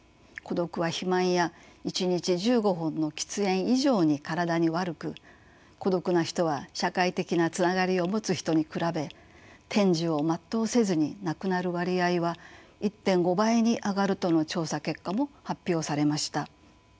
孤独は肥満や一日１５本の喫煙以上に体に悪く孤独な人は社会的なつながりを持つ人に比べ天寿を全うせずに亡くなる割合は１．５倍に上がるとの調査結果も発表されました。